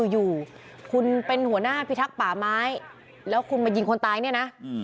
อยู่คุณเป็นหัวหน้าพิทักษ์ป่าไม้แล้วคุณมายิงคนตายเนี่ยนะ